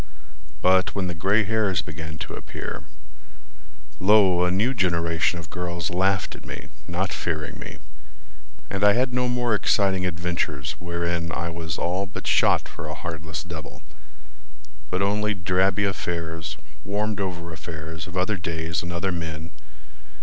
But when the gray hairs began to appear— Lo! a new generation of girls Laughed at me, not fearing me, And I had no more exciting adventures Wherein I was all but shot for a heartless devil, But only drabby affairs, warmed over affairs Of other days and other men.